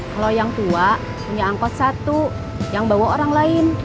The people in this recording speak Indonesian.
kalau yang tua punya angkot satu yang bawa orang lain